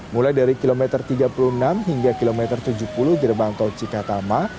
mulai dari kilometer tiga puluh enam hingga kilometer tujuh puluh gerbang tol cikatama